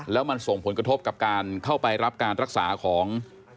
แล้วมันส่งผลกระทบกับการเข้าไปรับการรักษาของ